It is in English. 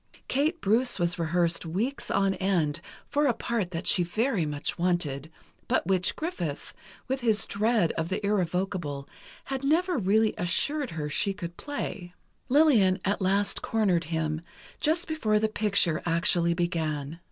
Kate Bruce was rehearsed weeks on end, for a part that she very much wanted, but which Griffith, with his dread of the irrevocable, had never really assured her she could play. Lillian at last cornered him, just before the picture actually began.